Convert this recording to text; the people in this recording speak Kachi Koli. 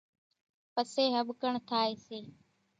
پسيَ ۿٻڪڻ ٿائيَ سي۔